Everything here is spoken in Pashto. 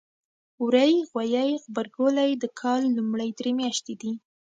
وری ، غوایی او غبرګولی د کال لومړۍ درې میاتشې دي.